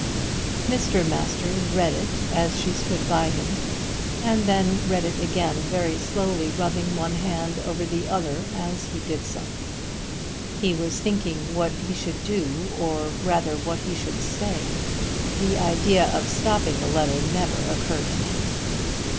Mr. Masters read it as she stood by him, and then read it again very slowly rubbing one hand over the other as he did so. He was thinking what he should do; or rather what he should say. The idea of stopping the letter never occurred to him.